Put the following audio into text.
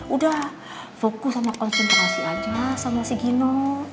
udah fokus sama konsentrasi aja sama si gino